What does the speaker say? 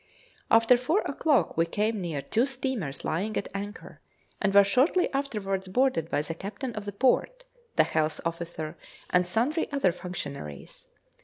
After four o'clock we came near two steamers lying at anchor, and were shortly afterwards boarded by the captain of the port, the health officer, and sundry other functionaries.